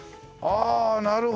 ああなるほどね。